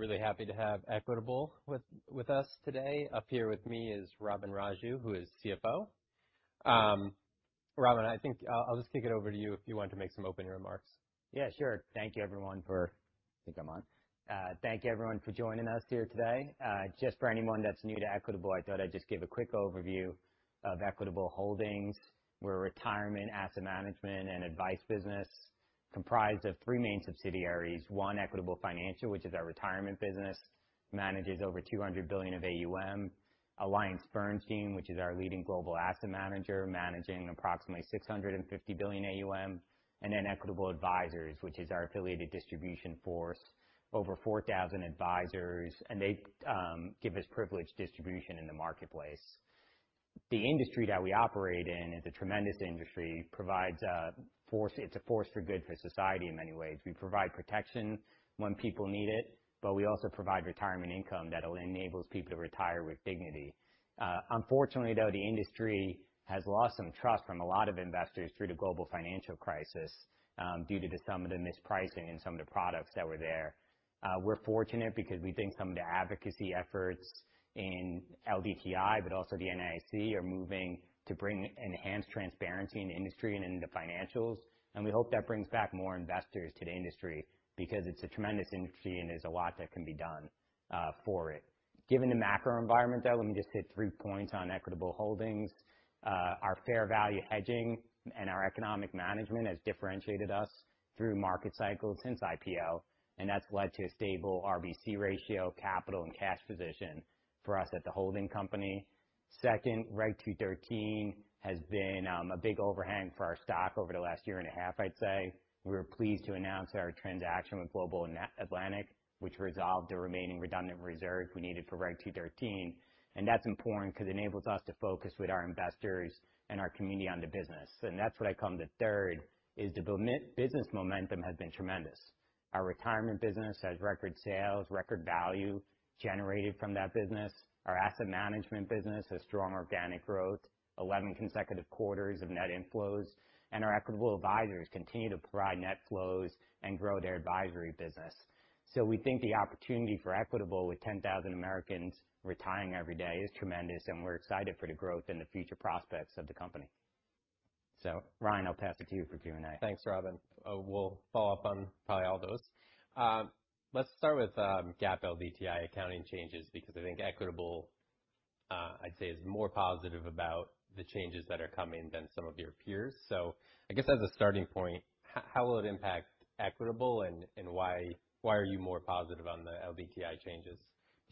Really happy to have Equitable with us today. Up here with me is Robin Raju, who is CFO. Robin, I think I'll just kick it over to you if you want to make some opening remarks. Yeah, sure. Thank you, everyone, for joining us here today. Just for anyone that's new to Equitable, I thought I'd just give a quick overview of Equitable Holdings. We're a retirement asset management and advice business comprised of three main subsidiaries. One, Equitable Financial, which is our retirement business, manages over $200 billion of AUM. AllianceBernstein, which is our leading global asset manager, managing approximately $650 billion AUM. Equitable Advisors, which is our affiliated distribution force, over 4,000 advisors, and they give us privileged distribution in the marketplace. The industry that we operate in is a tremendous industry. It's a force for good for society in many ways. We provide protection when people need it, but we also provide retirement income that enables people to retire with dignity. Unfortunately, though, the industry has lost some trust from a lot of investors through the global financial crisis due to some of the mispricing in some of the products that were there. We're fortunate because we think some of the advocacy efforts in LDTI, but also the NAIC, are moving to bring enhanced transparency in the industry and in the financials. We hope that brings back more investors to the industry because it's a tremendous industry, and there's a lot that can be done for it. Given the macro environment, though, let me just hit three points on Equitable Holdings. Our fair value hedging and our economic management has differentiated us through market cycles since IPO, and that's led to a stable RBC ratio, capital, and cash position for us at the holding company. Second, Reg 213 has been a big overhang for our stock over the last year and a half, I'd say. We were pleased to announce our transaction with Global Atlantic, which resolved the remaining redundant reserve we needed for Reg 213. That's important because it enables us to focus with our investors and our community on the business. That's what I come to third, is the business momentum has been tremendous. Our retirement business has record sales, record value generated from that business. Our asset management business has strong organic growth, 11 consecutive quarters of net inflows, and our Equitable Advisors continue to provide net flows and grow their advisory business. We think the opportunity for Equitable with 10,000 Americans retiring every day is tremendous, and we're excited for the growth and the future prospects of the company. Ryan, I'll pass it to you for Q&A. Thanks, Robin. We'll follow up on probably all those. Let's start with GAAP LDTI accounting changes because I think Equitable, I'd say, is more positive about the changes that are coming than some of your peers. I guess as a starting point, how will it impact Equitable and why are you more positive on the LDTI changes?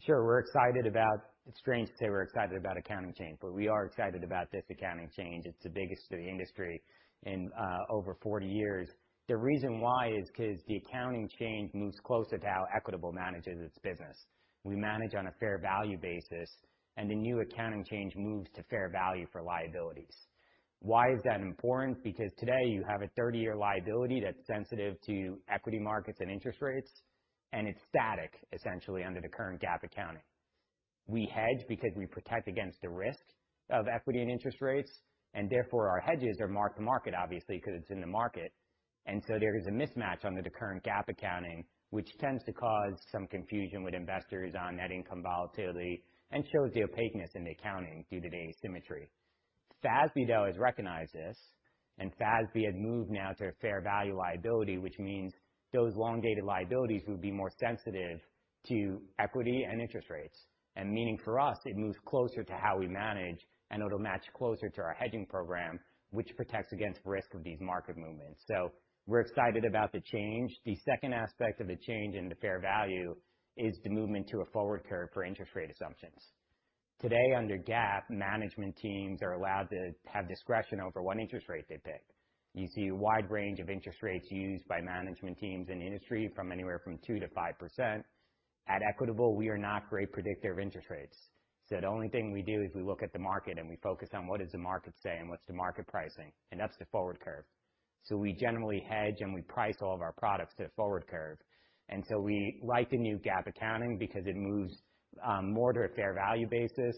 Sure. It's strange to say we're excited about accounting change, but we are excited about this accounting change. It's the biggest to the industry in over 40 years. The reason why is because the accounting change moves closer to how Equitable manages its business. We manage on a fair value basis, and the new accounting change moves to fair value for liabilities. Why is that important? Because today you have a 30-year liability that's sensitive to equity markets and interest rates, and it's static, essentially, under the current GAAP accounting. We hedge because we protect against the risk of equity and interest rates, and therefore, our hedges are mark-to-market, obviously, because it's in the market. There is a mismatch under the current GAAP accounting, which tends to cause some confusion with investors on net income volatility and shows the opaqueness in the accounting due to the asymmetry. FASB, though, has recognized this, and FASB has moved now to a fair value liability, which means those long-dated liabilities will be more sensitive to equity and interest rates. Meaning for us, it moves closer to how we manage, and it'll match closer to our hedging program, which protects against risk of these market movements. We're excited about the change. The second aspect of the change in the fair value is the movement to a forward curve for interest rate assumptions. Today, under GAAP, management teams are allowed to have discretion over what interest rate they pick. You see a wide range of interest rates used by management teams in the industry from anywhere from 2%-5%. At Equitable, we are not great predictors of interest rates. The only thing we do is we look at the market and we focus on what does the market say and what's the market pricing, and that's the forward curve. We generally hedge and we price all of our products to the forward curve. We like the new GAAP accounting because it moves more to a fair value basis,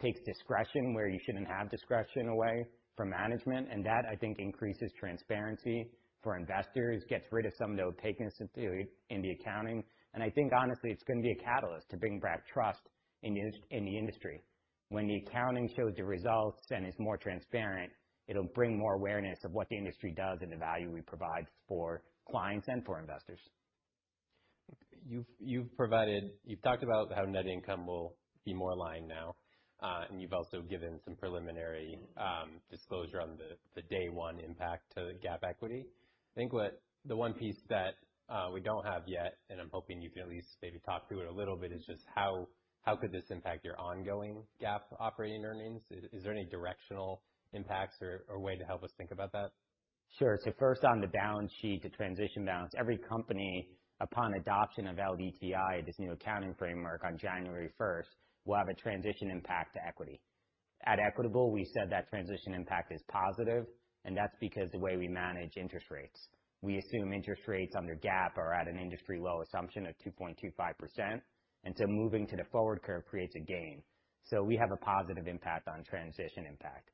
takes discretion where you shouldn't have discretion away from management, and that, I think, increases transparency for investors, gets rid of some of the opaqueness in the accounting. I think honestly, it's going to be a catalyst to bring back trust in the industry. When the accounting shows the results and is more transparent, it'll bring more awareness of what the industry does and the value we provide for clients and for investors. You've talked about how net income will be more aligned now, and you've also given some preliminary disclosure on the day one impact to GAAP equity. I think the one piece that we don't have yet, and I'm hoping you can at least maybe talk through it a little bit, is just how could this impact your ongoing GAAP operating earnings? Is there any directional impacts or way to help us think about that? Sure. First on the balance sheet, the transition balance. Every company, upon adoption of LDTI, this new accounting framework on January 1st, will have a transition impact to equity. At Equitable, we said that transition impact is positive, and that's because the way we manage interest rates. We assume interest rates under GAAP are at an industry low assumption of 2.25%. Moving to the forward curve creates a gain. We have a positive impact on transition impact.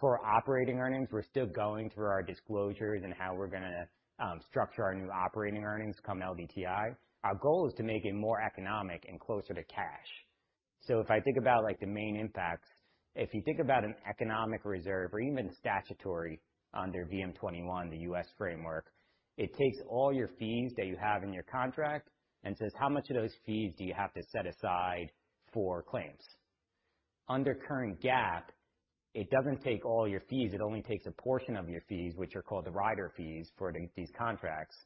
For operating earnings, we're still going through our disclosures and how we're going to structure our new operating earnings come LDTI. Our goal is to make it more economic and closer to cash. If I think about the main impacts, if you think about an economic reserve or even statutory under VM21, the U.S. framework, it takes all your fees that you have in your contract and says, how much of those fees do you have to set aside for claims? Under current GAAP, it doesn't take all your fees. It only takes a portion of your fees, which are called the rider fees for these contracts,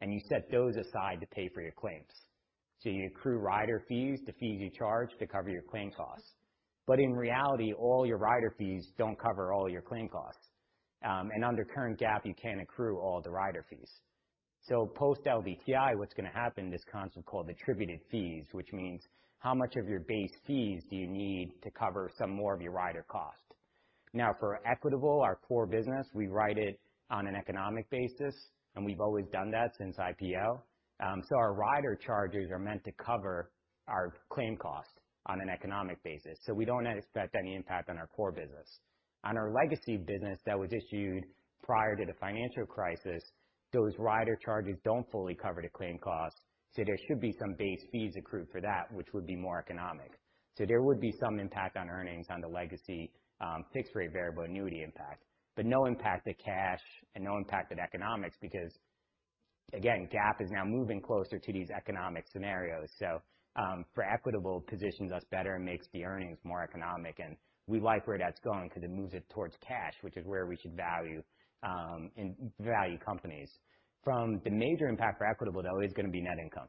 and you set those aside to pay for your claims. You accrue rider fees, the fees you charge to cover your claim costs. In reality, all your rider fees don't cover all your claim costs. Under current GAAP, you can't accrue all the rider fees. Post-LDTI, what's going to happen, this concept called attributed fees, which means how much of your base fees do you need to cover some more of your rider cost? For Equitable, our core business, we ride it on an economic basis, and we've always done that since IPO. Our rider charges are meant to cover our claim cost on an economic basis. We don't expect any impact on our core business. On our legacy business that was issued prior to the financial crisis, those rider charges don't fully cover the claim cost, so there should be some base fees accrued for that, which would be more economic. There would be some impact on earnings on the legacy fixed rate variable annuity impact. No impact to cash and no impact to economics because, again, GAAP is now moving closer to these economic scenarios. For Equitable, positions us better and makes the earnings more economic, and we like where that's going because it moves it towards cash, which is where we should value companies. From the major impact for Equitable, though, is going to be net income.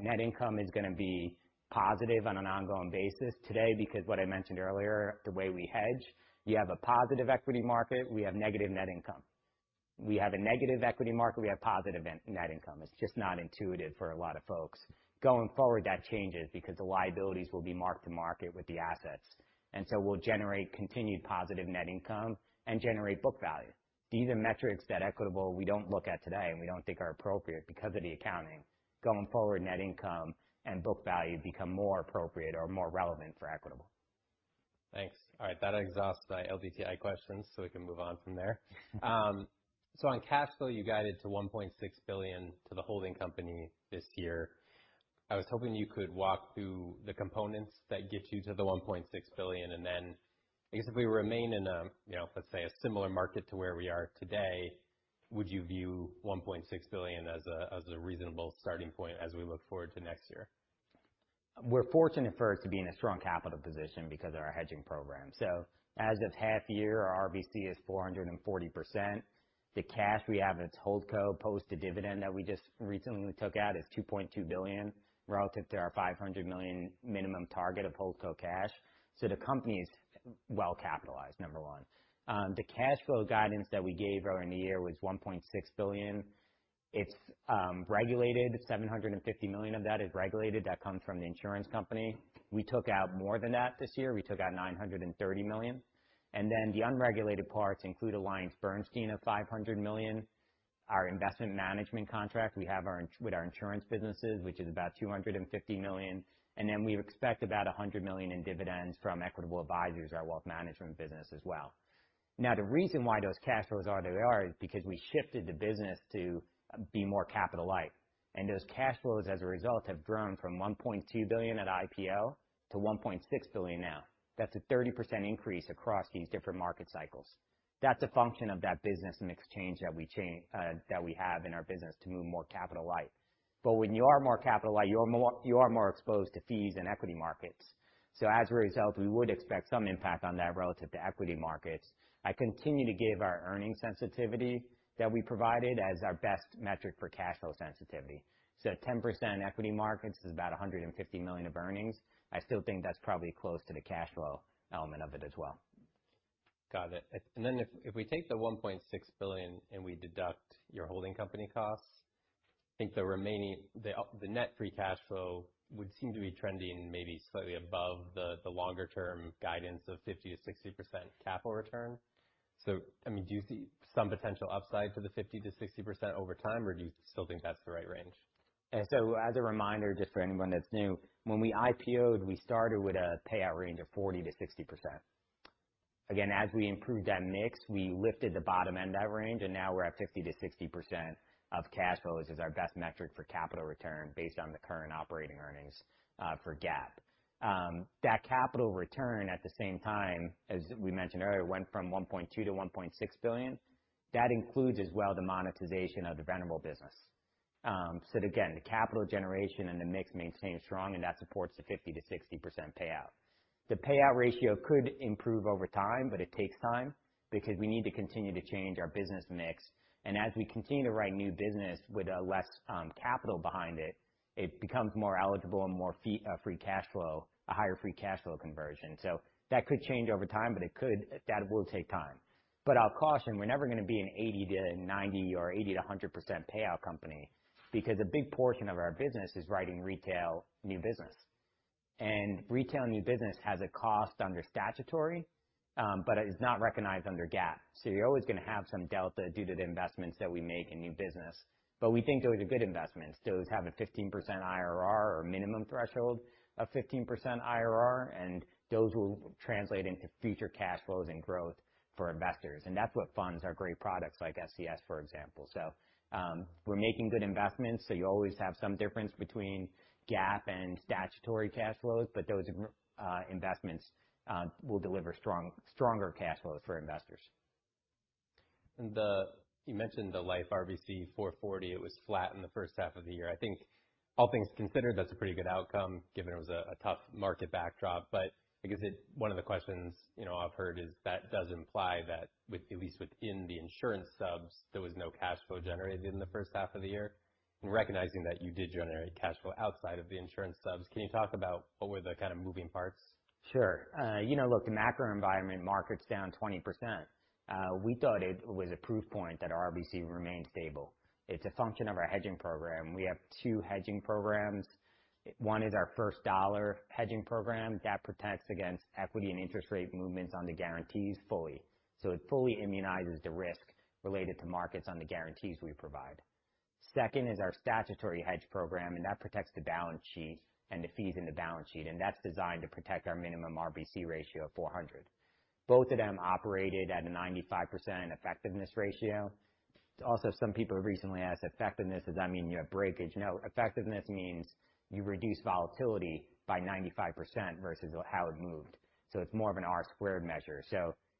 Net income is going to be positive on an ongoing basis today because what I mentioned earlier, the way we hedge, you have a positive equity market, we have negative net income. We have a negative equity market, we have positive net income. It's just not intuitive for a lot of folks. Going forward, that changes because the liabilities will be marked to market with the assets. Will generate continued positive net income and generate book value. These are metrics that Equitable we don't look at today and we don't think are appropriate because of the accounting. Going forward, net income and book value become more appropriate or more relevant for Equitable. Thanks. All right, that exhausts my LDTI questions, so we can move on from there. On cash flow, you guided to $1.6 billion to the holding company this year. I was hoping you could walk through the components that get you to the $1.6 billion, and then I guess if we remain in a, let's say, a similar market to where we are today, would you view $1.6 billion as a reasonable starting point as we look forward to next year? We're fortunate for us to be in a strong capital position because of our hedging program. As of half year, our RBC is 440%. The cash we have at its holdco post the dividend that we just recently took out is $2.2 billion relative to our $500 million minimum target of holdco cash. The company's well-capitalized, number one. The cash flow guidance that we gave earlier in the year was $1.6 billion. It's regulated. $750 million of that is regulated. That comes from the insurance company. We took out more than that this year. We took out $930 million. The unregulated parts include AllianceBernstein of $500 million. Our investment management contract with our insurance businesses, which is about $250 million. We expect about $100 million in dividends from Equitable Advisors, our wealth management business as well. The reason why those cash flows are what they are is because we shifted the business to be more capital light. Those cash flows, as a result, have grown from $1.2 billion at IPO to $1.6 billion now. That's a 30% increase across these different market cycles. That's a function of that business mix change that we have in our business to move more capital light. When you are more capital light, you are more exposed to fees and equity markets. As a result, we would expect some impact on that relative to equity markets. I continue to give our earning sensitivity that we provided as our best metric for cash flow sensitivity. At 10% in equity markets is about $150 million of earnings. I still think that's probably close to the cash flow element of it as well. Got it. If we take the $1.6 billion and we deduct your holding company costs, I think the net free cash flow would seem to be trending maybe slightly above the longer-term guidance of 50%-60% capital return. Do you see some potential upside to the 50%-60% over time, or do you still think that's the right range? As a reminder, just for anyone that's new, when we IPO'd, we started with a payout range of 40%-60%. Again, as we improved that mix, we lifted the bottom end of that range, and now we're at 50%-60% of cash flows is our best metric for capital return based on the current operating earnings for GAAP. That capital return, at the same time, as we mentioned earlier, went from $1.2 billion to $1.6 billion. That includes as well the monetization of the Venerable business. Again, the capital generation and the mix remains strong, and that supports the 50%-60% payout. The payout ratio could improve over time, but it takes time because we need to continue to change our business mix. As we continue to write new business with less capital behind it becomes more eligible and more free cash flow, a higher free cash flow conversion. That could change over time, but that will take time. I'll caution, we're never going to be an 80%-90% or 80%-100% payout company because a big portion of our business is writing retail new business. Retail new business has a cost under statutory, but it is not recognized under GAAP. You're always going to have some delta due to the investments that we make in new business. We think those are good investments. Those have a 15% IRR or minimum threshold of 15% IRR, and those will translate into future cash flows and growth for investors. That's what funds our great products like SCS, for example. We're making good investments. You'll always have some difference between GAAP and statutory cash flows, but those investments will deliver stronger cash flows for investors. You mentioned the life RBC 440. It was flat in the first half of the year. I think all things considered, that's a pretty good outcome given it was a tough market backdrop. I guess one of the questions I've heard is that does imply that with at least within the insurance subs, there was no cash flow generated in the first half of the year. In recognizing that you did generate cash flow outside of the insurance subs, can you talk about what were the kind of moving parts? Sure. Look, the macro environment market's down 20%. We thought it was a proof point that our RBC remained stable. It's a function of our hedging program. We have two hedging programs. One is our first dollar hedging program that protects against equity and interest rate movements on the guarantees fully. It fully immunizes the risk related to markets on the guarantees we provide. Second is our statutory hedge program, and that protects the balance sheet and the fees in the balance sheet, and that's designed to protect our minimum RBC ratio of 400. Both of them operated at a 95% effectiveness ratio. Some people recently asked, effectiveness, does that mean you have breakage? No. Effectiveness means you reduce volatility by 95% versus how it moved. It's more of an R squared measure.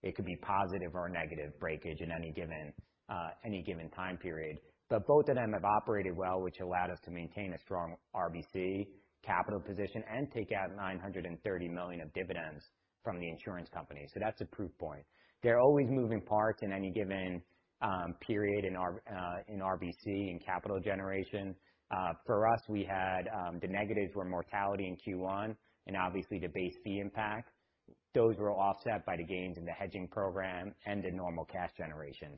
It could be positive or negative breakage in any given time period. Both of them have operated well, which allowed us to maintain a strong RBC capital position and take out $930 million of dividends from the insurance company. That's a proof point. There are always moving parts in any given period in RBC, in capital generation. For us, we had the negatives were mortality in Q1 and obviously the Base C impact. Those were offset by the gains in the hedging program and the normal cash generation.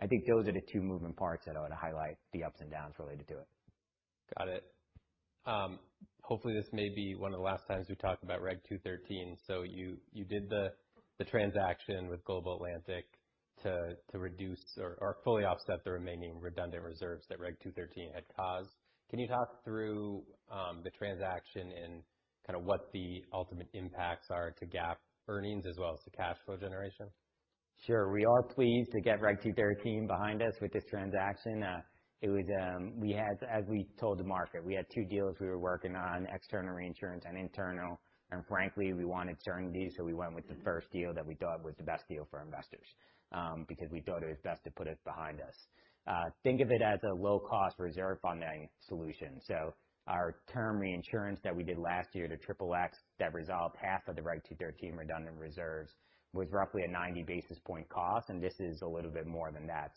I think those are the two moving parts that I would highlight the ups and downs related to it. Got it. Hopefully, this may be one of the last times we talk about Regulation 213. You did the transaction with Global Atlantic to reduce or fully offset the remaining redundant reserves that Regulation 213 had caused. Can you talk through the transaction and kind of what the ultimate impacts are to GAAP earnings as well as to cash flow generation? Sure. We are pleased to get Regulation 213 behind us with this transaction. As we told the market, we had two deals we were working on, external reinsurance and internal. Frankly, we wanted certain deals, we went with the first deal that we thought was the best deal for our investors because we thought it was best to put it behind us. Think of it as a low-cost reserve funding solution. Our term reinsurance that we did last year to Regulation XXX that resolved half of the Regulation 213 redundant reserves was roughly a 90 basis point cost, and this is a little bit more than that.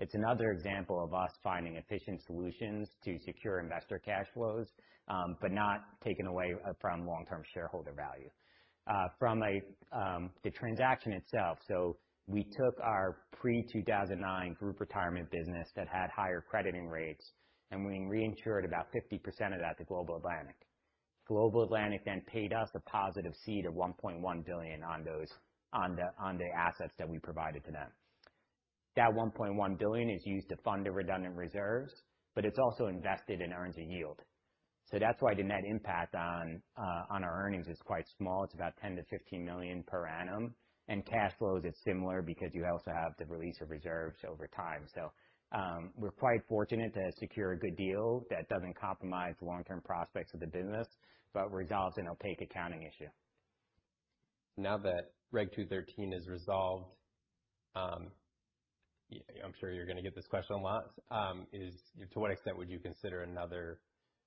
It's another example of us finding efficient solutions to secure investor cash flows, not taking away from long-term shareholder value. From the transaction itself, we took our pre-2009 group retirement business that had higher crediting rates, and we reinsured about 50% of that to Global Atlantic. Global Atlantic then paid us a positive seed of $1.1 billion on the assets that we provided to them. That $1.1 billion is used to fund the redundant reserves, it's also invested and earns a yield. That's why the net impact on our earnings is quite small. It's about $10 million to $15 million per annum. Cash flows, it's similar because you also have the release of reserves over time. We're quite fortunate to have secured a good deal that doesn't compromise long-term prospects of the business, resolves an opaque accounting issue. Now that Regulation 213 is resolved, I'm sure you're going to get this question a lot. To what extent would you consider another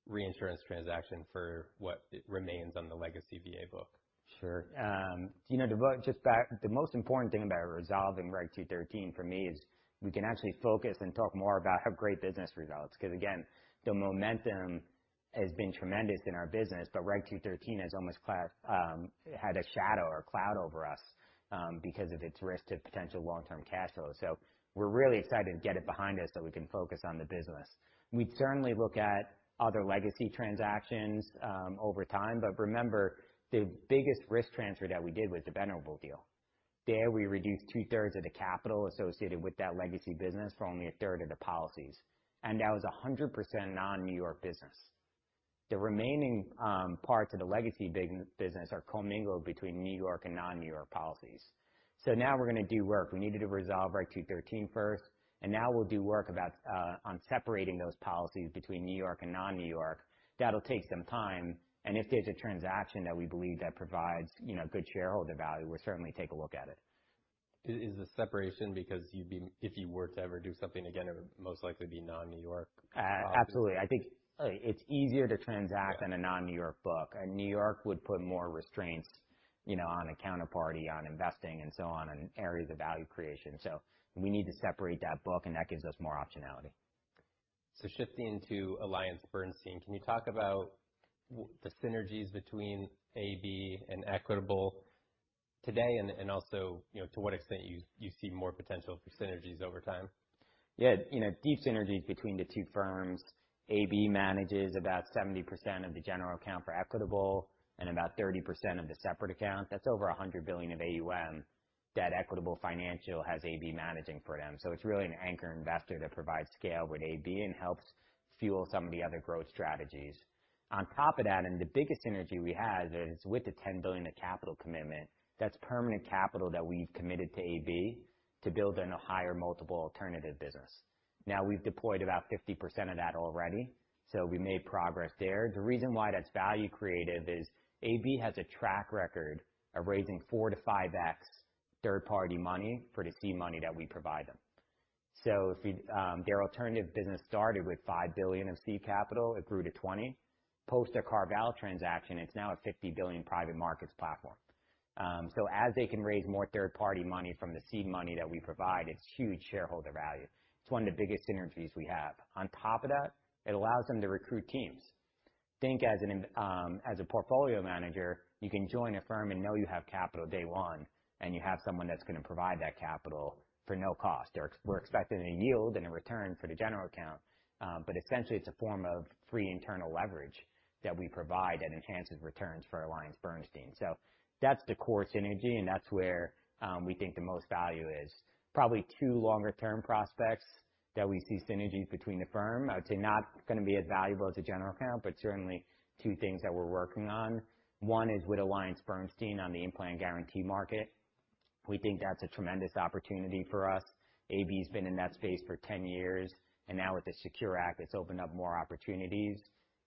reinsurance transaction for what remains on the legacy VA book? Sure. The most important thing about resolving Regulation 213 for me is we can actually focus and talk more about how great business results, because again, the momentum has been tremendous in our business, but Regulation 213 has almost had a shadow or cloud over us because of its risk to potential long-term cash flow. We're really excited to get it behind us so we can focus on the business. We'd certainly look at other legacy transactions over time. Remember, the biggest risk transfer that we did was the Benovo deal. There, we reduced two-thirds of the capital associated with that legacy business for only a third of the policies. That was 100% non-New York business. The remaining parts of the legacy business are commingled between New York and non-New York policies. Now we're going to do work. We needed to resolve Regulation 213 first, now we'll do work on separating those policies between New York and non-New York. That'll take some time, if there's a transaction that we believe that provides good shareholder value, we'll certainly take a look at it. Is the separation because if you were to ever do something again, it would most likely be non-New York? Absolutely. I think it's easier to transact in a non-New York book. A New York would put more restraints on a counterparty, on investing, and so on areas of value creation. We need to separate that book, and that gives us more optionality. Shifting to AllianceBernstein, can you talk about the synergies between AB and Equitable? Today, and also to what extent you see more potential for synergies over time. Deep synergies between the two firms. AB manages about 70% of the general account for Equitable and about 30% of the separate account. That's over $100 billion of AUM that Equitable Financial has AB managing for them. It's really an anchor investor that provides scale with AB and helps fuel some of the other growth strategies. On top of that, and the biggest synergy we have is with the $10 billion of capital commitment. That's permanent capital that we've committed to AB to build in a higher multiple alternative business. We've deployed about 50% of that already, so we made progress there. The reason why that's value-created is AB has a track record of raising 4 to 5x third-party money for the seed money that we provide them. Their alternative business started with $5 billion of seed capital. It grew to $20. Post their CarVal transaction, it's now a $50 billion private markets platform. As they can raise more third-party money from the seed money that we provide, it's huge shareholder value. It's one of the biggest synergies we have. On top of that, it allows them to recruit teams. Think as a portfolio manager, you can join a firm and know you have capital day one, and you have someone that's going to provide that capital for no cost. We're expecting a yield and a return for the general account. Essentially, it's a form of free internal leverage that we provide that enhances returns for AllianceBernstein. That's the core synergy, and that's where we think the most value is. Probably two longer-term prospects that we see synergies between the firm. I would say not going to be as valuable as a general account, but certainly two things that we're working on. One is with AllianceBernstein on the in-plan guarantee market. We think that's a tremendous opportunity for us. AB's been in that space for 10 years, and now with the SECURE Act, it's opened up more opportunities.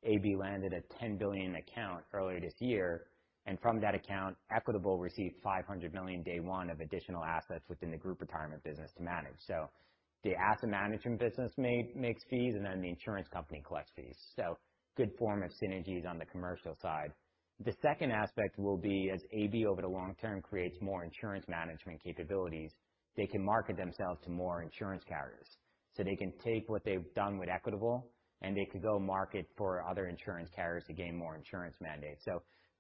AB landed a $10 billion account earlier this year, and from that account, Equitable received $500 million day one of additional assets within the group retirement business to manage. The asset management business makes fees, and then the insurance company collects fees. Good form of synergies on the commercial side. The second aspect will be as AB over the long term creates more insurance management capabilities, they can market themselves to more insurance carriers. They can take what they've done with Equitable, and they could go market for other insurance carriers to gain more insurance mandates.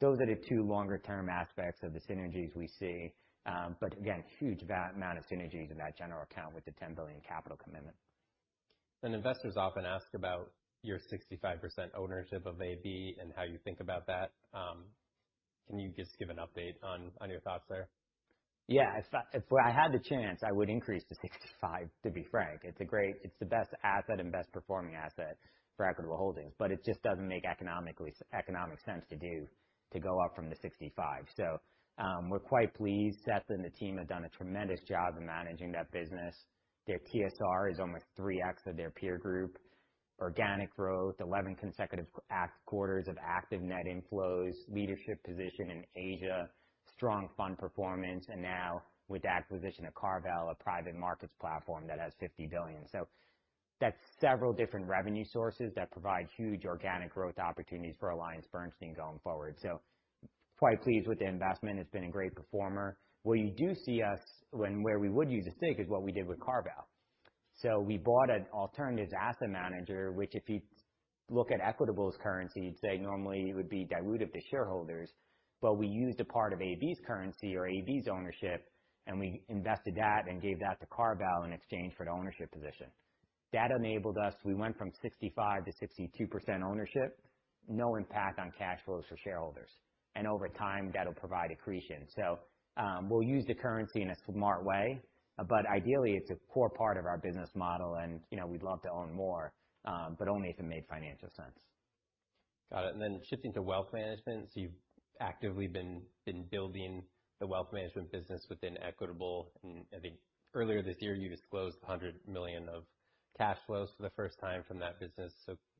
Those are the two longer-term aspects of the synergies we see. Again, huge amount of synergies in that general account with the $10 billion capital commitment. Investors often ask about your 65% ownership of AB and how you think about that. Can you just give an update on your thoughts there? If I had the chance, I would increase to 65%, to be frank. It's the best asset and best-performing asset for Equitable Holdings, but it just doesn't make economic sense to do, to go up from the 65. We're quite pleased. Seth and the team have done a tremendous job in managing that business. Their TSR is almost 3x of their peer group. Organic growth, 11 consecutive quarters of active net inflows, leadership position in Asia, strong fund performance, and now with the acquisition of CarVal, a private markets platform that has $50 billion. That's several different revenue sources that provide huge organic growth opportunities for AllianceBernstein going forward. Quite pleased with the investment. It's been a great performer. Where you do see us and where we would use a stick is what we did with CarVal. We bought an alternatives asset manager, which if you look at Equitable's currency, you'd say normally it would be dilutive to shareholders. We used a part of AB's currency or AB's ownership, and we invested that and gave that to CarVal in exchange for the ownership position. That enabled us. We went from 65%-62% ownership, no impact on cash flows for shareholders. Over time, that'll provide accretion. We'll use the currency in a smart way. Ideally, it's a core part of our business model, and we'd love to own more, but only if it made financial sense. Got it. Shifting to wealth management. You've actively been building the wealth management business within Equitable, and I think earlier this year, you disclosed $100 million of cash flows for the first time from that business.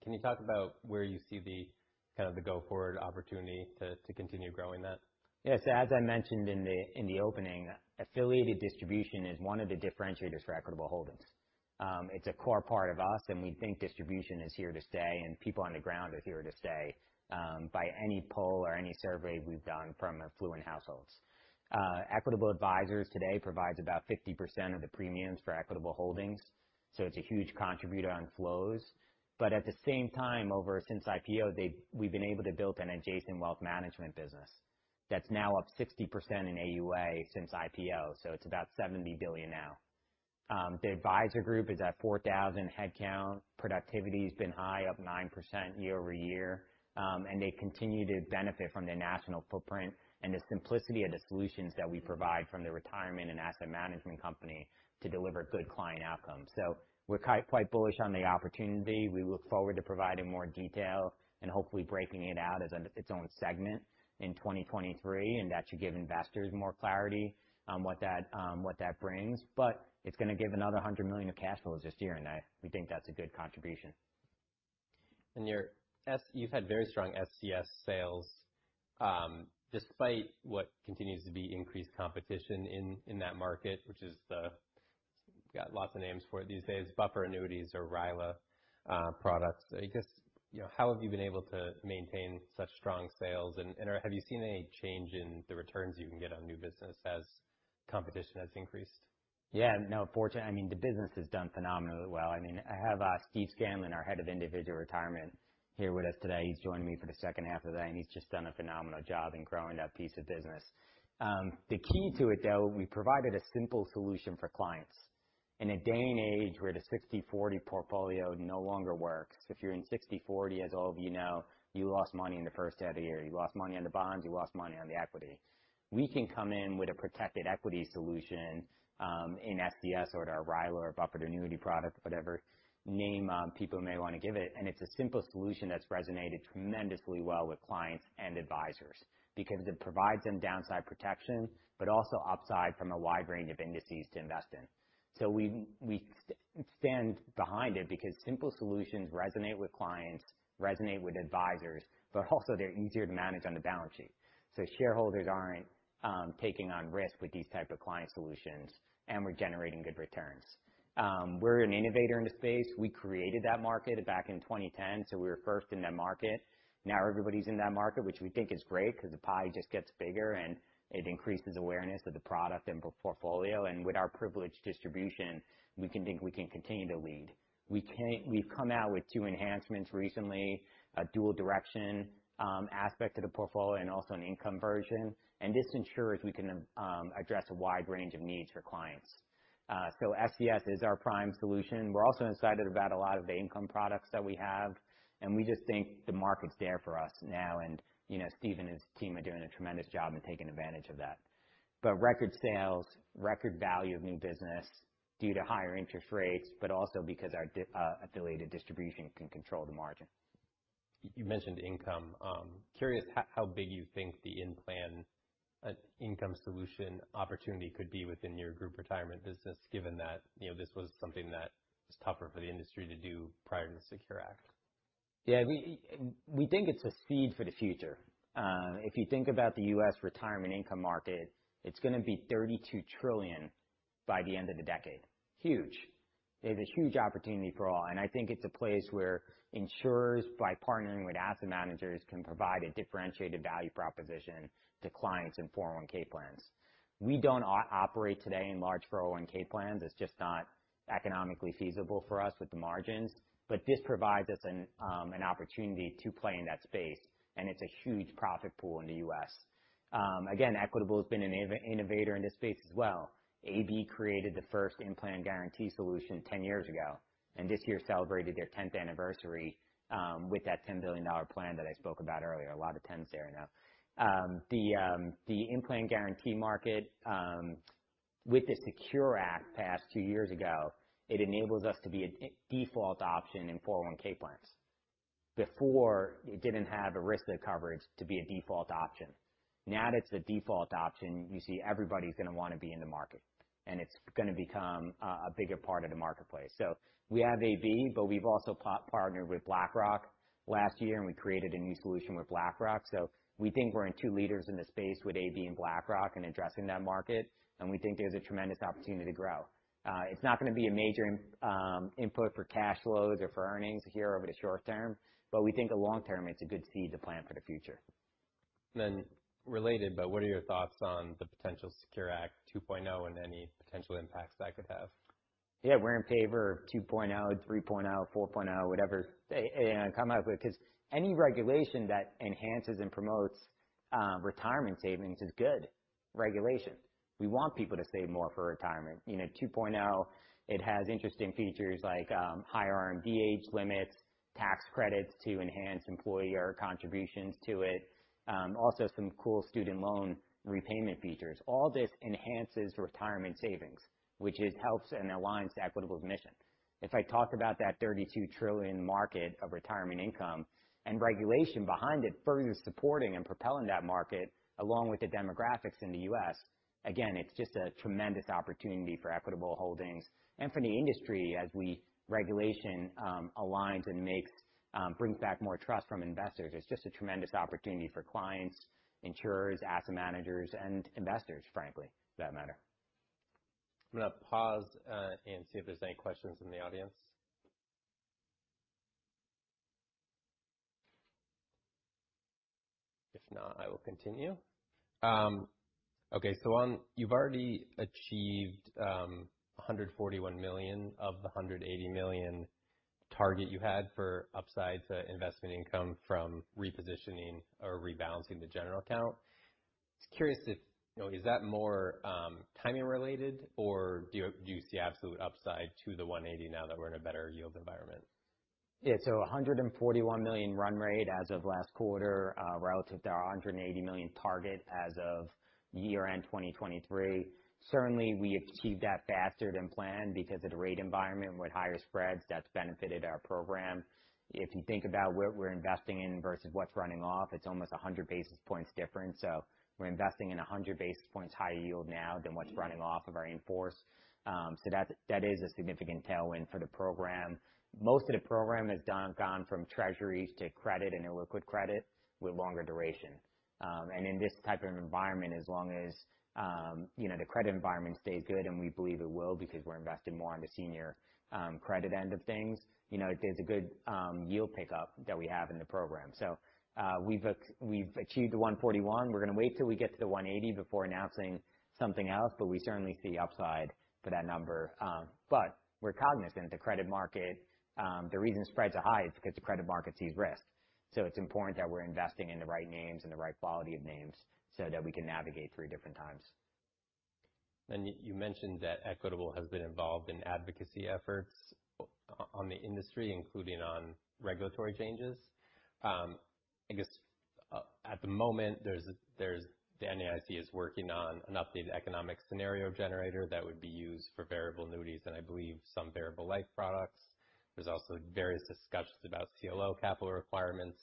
Can you talk about where you see the go-forward opportunity to continue growing that? Yeah. As I mentioned in the opening, affiliated distribution is one of the differentiators for Equitable Holdings. It's a core part of us, we think distribution is here to stay, and people on the ground are here to stay by any poll or any survey we've done from affluent households. Equitable Advisors today provides about 50% of the premiums for Equitable Holdings, it's a huge contributor on flows. At the same time, since IPO, we've been able to build an adjacent wealth management business that's now up 60% in AUA since IPO, it's about $70 billion now. The advisor group is at 4,000 headcount. Productivity's been high, up 9% year-over-year. They continue to benefit from their national footprint and the simplicity of the solutions that we provide from the retirement and asset management company to deliver good client outcomes. We're quite bullish on the opportunity. We look forward to providing more detail and hopefully breaking it out as its own segment in 2023. That should give investors more clarity on what that brings. It's going to give another $100 million of cash flows this year, we think that's a good contribution. You've had very strong SCS sales, despite what continues to be increased competition in that market, which has got lots of names for it these days, buffer annuities or RILA products. I guess, how have you been able to maintain such strong sales, and have you seen any change in the returns you can get on new business as competition has increased? Fortunately, the business has done phenomenally well. I have Steve Scanlon, our Head of Individual Retirement, here with us today. He's joining me for the second half of today, and he's just done a phenomenal job in growing that piece of business. The key to it, though, we provided a simple solution for clients. In a day and age where the 60/40 portfolio no longer works. If you're in 60/40, as all of you know, you lost money in the first half of the year. You lost money on the bonds, you lost money on the equity. We can come in with a protected equity solution, in SCS or our RILA or buffered annuity product, whatever name people may want to give it, and it's a simple solution that's resonated tremendously well with clients and advisors because it provides them downside protection, but also upside from a wide range of indices to invest in. We stand behind it because simple solutions resonate with clients, resonate with advisors, but also they're easier to manage on the balance sheet. Shareholders aren't taking on risk with these types of client solutions, and we're generating good returns. We're an innovator in the space. We created that market back in 2010. We were first in that market. Everybody's in that market, which we think is great because the pie just gets bigger, and it increases awareness of the product and portfolio. With our privileged distribution, we can think we can continue to lead. We've come out with two enhancements recently, a dual direction aspect to the portfolio and also an income version, and this ensures we can address a wide range of needs for clients. SCS is our prime solution. We're also excited about a lot of the income products that we have, and we just think the market's there for us now, and Steven and his team are doing a tremendous job in taking advantage of that. Record sales, record value of new business due to higher interest rates, but also because our affiliated distribution can control the margin. You mentioned income. Curious how big you think the in-plan income solution opportunity could be within your group retirement business, given that this was something that was tougher for the industry to do prior to the SECURE Act. Yeah, we think it's a seed for the future. If you think about the U.S. retirement income market, it's going to be $32 trillion by the end of the decade. Huge. It is a huge opportunity for all. I think it's a place where insurers, by partnering with asset managers, can provide a differentiated value proposition to clients in 401 plans. We don't operate today in large 401 plans. It's just not economically feasible for us with the margins. This provides us an opportunity to play in that space, and it's a huge profit pool in the U.S. Again, Equitable has been an innovator in this space as well. AB created the first in-plan guarantee solution 10 years ago and this year celebrated their 10th anniversary with that $10 billion plan that I spoke about earlier. A lot of tens there now. The in-plan guarantee market, with the SECURE Act passed two years ago, it enables us to be a default option in 401 plans. Before, it didn't have a risk of coverage to be a default option. Now that it's the default option, you see everybody's going to want to be in the market, and it's going to become a bigger part of the marketplace. We have AB, but we've also partnered with BlackRock last year, and we created a new solution with BlackRock. We think we're in two leaders in the space with AB and BlackRock in addressing that market. We think there's a tremendous opportunity to grow. It's not going to be a major input for cash flows or for earnings here over the short term. We think the long term, it's a good seed to plant for the future. Related, but what are your thoughts on the potential SECURE 2.0 Act and any potential impacts that could have? Yeah, we're in favor of 2.0, 3.0, 4.0, whatever they come out with, because any regulation that enhances and promotes retirement savings is good regulation. We want people to save more for retirement. 2.0, it has interesting features like higher RMD age limits, tax credits to enhance employer contributions to it. Also, some cool student loan repayment features. All this enhances retirement savings, which it helps and aligns to Equitable's mission. If I talk about that $32 trillion market of retirement income and regulation behind it further supporting and propelling that market, along with the demographics in the U.S., again, it's just a tremendous opportunity for Equitable Holdings and for the industry as regulation aligns and brings back more trust from investors. It's just a tremendous opportunity for clients, insurers, asset managers, and investors, frankly, for that matter. I'm going to pause and see if there's any questions from the audience. If not, I will continue. Okay. You've already achieved $141 million of the $180 million target you had for upside to investment income from repositioning or rebalancing the general account. Just curious if, is that more timing related or do you see absolute upside to the $180 now that we're in a better yield environment? Yeah. $141 million run rate as of last quarter relative to our $180 million target as of year-end 2023. Certainly, we achieved that faster than planned because of the rate environment with higher spreads, that's benefited our program. If you think about what we're investing in versus what's running off, it's almost 100 basis points different. We're investing in 100 basis points higher yield now than what's running off of our in-force. That is a significant tailwind for the program. Most of the program has gone from Treasuries to credit and illiquid credit with longer duration. In this type of environment, as long as the credit environment stays good, and we believe it will because we're invested more on the senior credit end of things, there's a good yield pickup that we have in the program. We've achieved the $141. We're going to wait till we get to the $180 before announcing something else, we certainly see upside for that number. We're cognizant that the credit market, the reason spreads are high is because the credit market sees risk. It's important that we're investing in the right names and the right quality of names so that we can navigate through different times. You mentioned that Equitable has been involved in advocacy efforts on the industry, including on regulatory changes. At the moment, the NAIC is working on an updated economic scenario generator that would be used for variable annuities and I believe some variable life products. There's also various discussions about CLO capital requirements.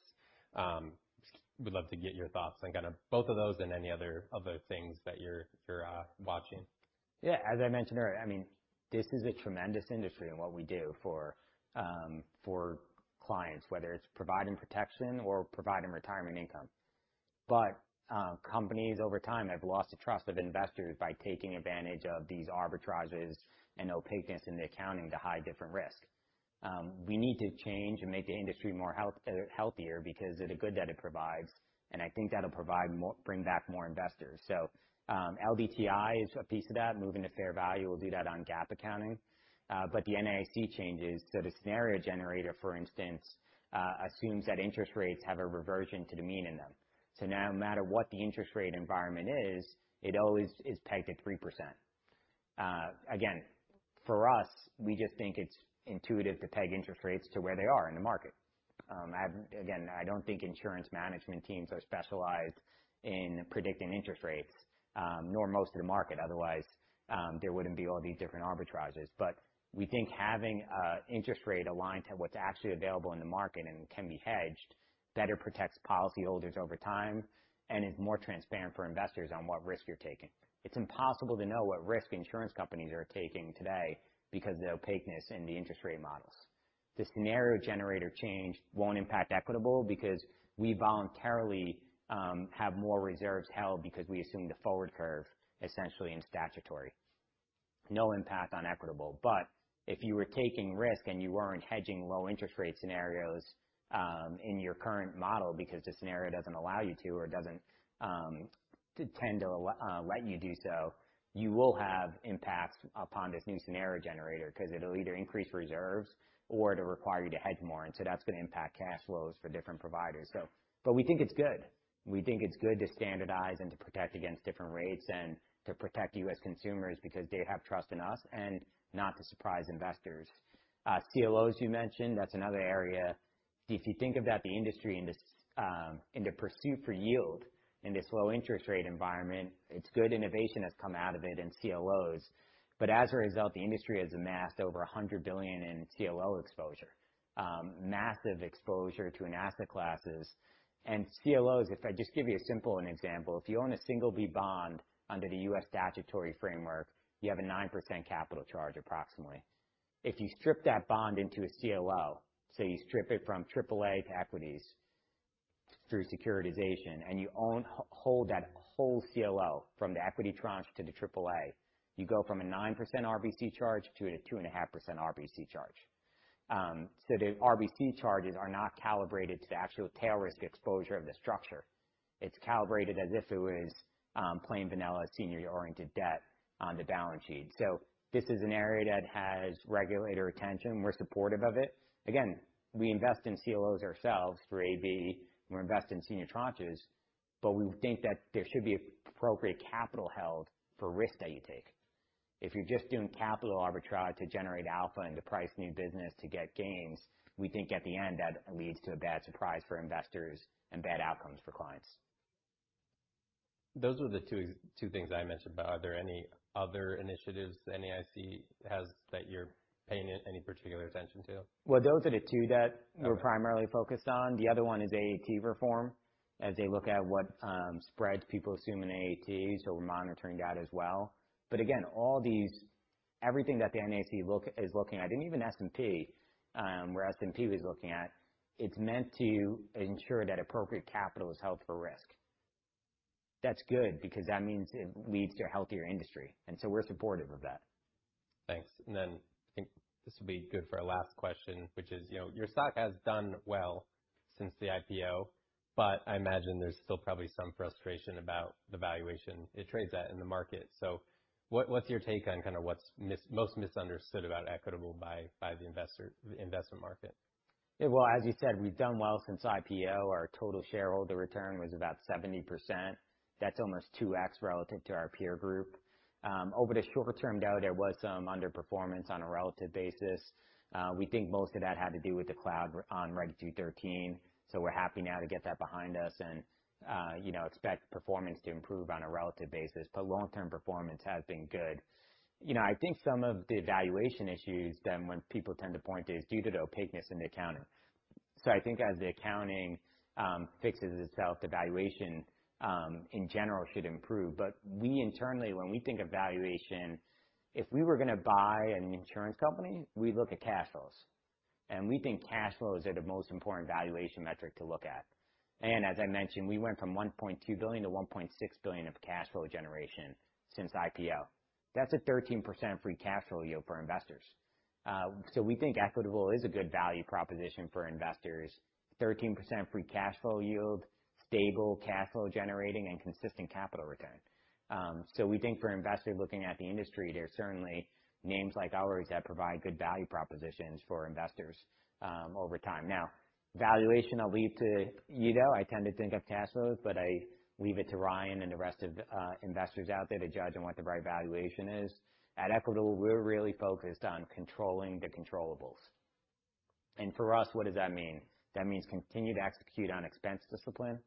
Would love to get your thoughts on both of those and any other things that you're watching. As I mentioned earlier, this is a tremendous industry in what we do for clients, whether it's providing protection or providing retirement income. Companies, over time, have lost the trust of investors by taking advantage of these arbitrages and opaqueness in the accounting to hide different risk. We need to change and make the industry healthier because of the good that it provides, and I think that'll bring back more investors. LDTI is a piece of that. Moving to fair value will do that on GAAP accounting. The NAIC changes, the scenario generator, for instance, assumes that interest rates have a reversion to the mean in them. No matter what the interest rate environment is, it always is pegged at 3%. Again, for us, we just think it's intuitive to peg interest rates to where they are in the market. Again, I don't think insurance management teams are specialized in predicting interest rates, nor most of the market. Otherwise, there wouldn't be all these different arbitrages. We think having an interest rate aligned to what's actually available in the market and can be hedged better protects policyholders over time and is more transparent for investors on what risk you're taking. It's impossible to know what risk insurance companies are taking today because of the opaqueness in the interest rate models. The scenario generator change won't impact Equitable because we voluntarily have more reserves held because we assume the forward curve, essentially in statutory. No impact on Equitable. If you were taking risk and you weren't hedging low interest rate scenarios in your current model because the scenario doesn't allow you to or doesn't tend to let you do so, you will have impacts upon this new scenario generator because it'll either increase reserves or to require you to hedge more, that's going to impact cash flows for different providers. We think it's good. We think it's good to standardize and to protect against different rates and to protect U.S. consumers because they have trust in us, and not to surprise investors. CLOs, you mentioned, that's another area. If you think about the industry in the pursuit for yield in this low interest rate environment, it's good innovation has come out of it in CLOs. As a result, the industry has amassed over $100 billion in CLO exposure, massive exposure to asset classes. CLOs, if I just give you a simple example, if you own a single B bond under the U.S. statutory framework, you have a 9% capital charge approximately. If you strip that bond into a CLO, say you strip it from triple A to equities through securitization, and you hold that whole CLO from the equity tranche to the triple A, you go from a 9% RBC charge to a 2.5% RBC charge. The RBC charges are not calibrated to the actual tail risk exposure of the structure. It's calibrated as if it was plain vanilla, senior-oriented debt on the balance sheet. This is an area that has regulator attention. We're supportive of it. Again, we invest in CLOs ourselves through AB, and we invest in senior tranches, we think that there should be appropriate capital held for risk that you take. If you're just doing capital arbitrage to generate alpha and to price new business to get gains, we think at the end, that leads to a bad surprise for investors and bad outcomes for clients. Those were the two things I mentioned, are there any other initiatives the NAIC has that you're paying any particular attention to? Well, those are the two that we're primarily focused on. The other one is AAT reform, as they look at what spreads people assume in AAT, we're monitoring that as well. Again, everything that the NAIC is looking at, and even S&P, where S&P is looking at, it's meant to ensure that appropriate capital is held for risk. That's good because that means it leads to a healthier industry. We're supportive of that. Thanks. I think this will be good for a last question, which is, your stock has done well since the IPO, but I imagine there's still probably some frustration about the valuation it trades at in the market. What's your take on what's most misunderstood about Equitable by the investment market? Well, as you said, we've done well since IPO. Our total shareholder return was about 70%. That's almost 2x relative to our peer group. Over the short term, though, there was some underperformance on a relative basis. We think most of that had to do with the cloud on Reg 213. We're happy now to get that behind us and expect performance to improve on a relative basis, but long-term performance has been good. I think some of the valuation issues then when people tend to point is due to the opaqueness in accounting. I think as the accounting fixes itself, the valuation, in general, should improve. We internally, when we think of valuation, if we were going to buy an insurance company, we'd look at cash flows, and we think cash flows are the most important valuation metric to look at. As I mentioned, we went from $1.2 billion to $1.6 billion of cash flow generation since IPO. That's a 13% free cash flow yield for investors. We think Equitable is a good value proposition for investors. 13% free cash flow yield, stable cash flow generating, and consistent capital return. We think for investors looking at the industry, there's certainly names like ours that provide good value propositions for investors over time. Now, valuation, I'll leave to you, though. I tend to think of cash flows, I leave it to Ryan and the rest of the investors out there to judge on what the right valuation is. At Equitable, we're really focused on controlling the controllables. For us, what does that mean? That means continue to execute on expense discipline,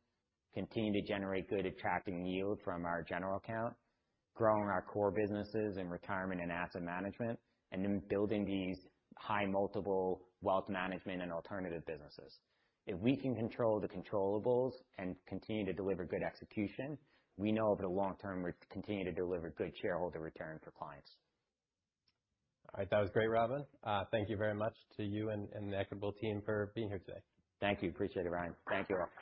continue to generate good attracting yield from our general account, growing our core businesses in retirement and asset management, and then building these high multiple wealth management and alternative businesses. If we can control the controllables and continue to deliver good execution, we know over the long-term, we continue to deliver good shareholder return for clients. All right. That was great, Robin. Thank you very much to you and the Equitable team for being here today. Thank you. Appreciate it, Ryan. Thank you all.